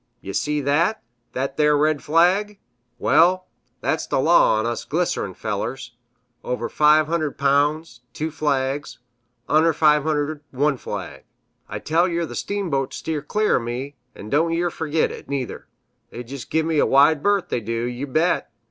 "Ye see that? Thet there red flag? Well, thet's the law on us glyser_een_ fellers over five hundred poun's, two flags; un'er five hundred, one flag. I've two hundred and fifty, I have. I tell yer th' steamboats steer clear o' me, an' don' yer fergit it, neither; they jist give me a wide berth, they do, yew bet!